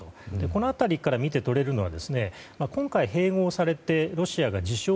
この辺りから見てとれるのは今回、併合されてロシアが自称